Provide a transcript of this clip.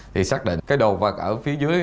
thì xác định cái đồ vật ở phía dưới